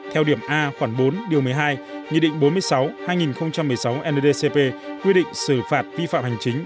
theo điểm a khoảng bốn điều một mươi hai nghị định bốn mươi sáu hai nghìn một mươi sáu ndcp quy định xử phạt vi phạm hành chính